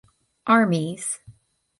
Armies.